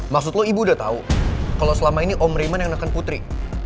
maksud lo ibu udah tau kalo selama ini om raymond yang neken putri